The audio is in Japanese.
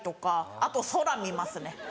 あと空見ますね。